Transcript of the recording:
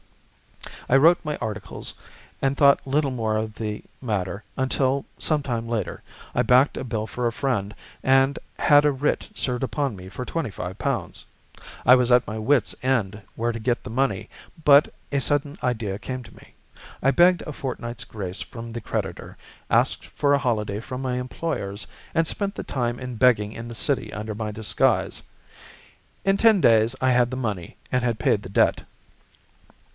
"I wrote my articles and thought little more of the matter until, some time later, I backed a bill for a friend and had a writ served upon me for £ 25. I was at my wit's end where to get the money, but a sudden idea came to me. I begged a fortnight's grace from the creditor, asked for a holiday from my employers, and spent the time in begging in the City under my disguise. In ten days I had the money and had paid the debt.